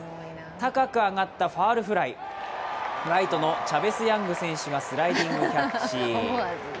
高く上がったファウルフライ、ライトのチャベス・ヤング選手がスライディングキャッチ。